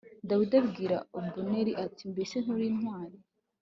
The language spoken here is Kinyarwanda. dawidi abwira abuneri ati mbese nturi intwari